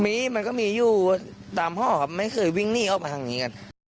มีมันก็มีอยู่ตามพ่อครับไม่เคยวิ่งหนีออกมาทางนี้กัน